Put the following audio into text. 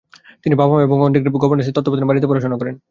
তিনি বাবা-মা এবং অনেক গভার্নেসের তত্ত্বাবধানে বাড়ীতে পড়াশোনা করেন।